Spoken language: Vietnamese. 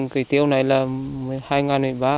cây tiêu này là